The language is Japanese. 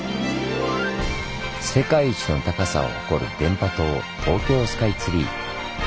世界一の高さを誇る電波塔東京スカイツリー。